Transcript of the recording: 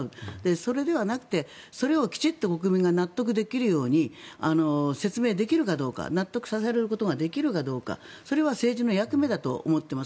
そうじゃなくてきちんと国民が納得できるように説明できるかどうか納得させることができるかどうかそれは政治の役目だと思います。